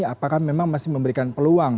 apakah memang masih memberikan peluang